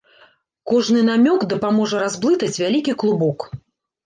Кожны намёк дапаможа разблытаць вялікі клубок.